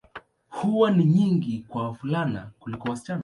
Huwa ni nyingi kwa wavulana kuliko wasichana.